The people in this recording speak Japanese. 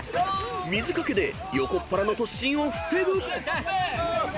［水掛けで横っ腹の突進を防ぐ］